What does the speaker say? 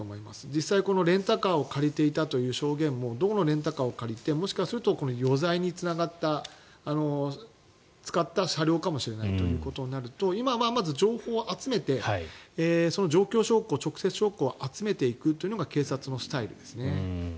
実際、このレンタカーを借りていたという証言もどのレンタカーを借りてもしかすると余罪に使った車両かもしれないとなると今はまず情報を集めて状況証拠直接証拠を集めていくというのが警察のスタイルですね。